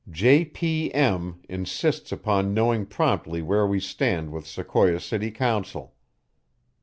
J. P. M. insists upon knowing promptly where we stand with Sequoia city council.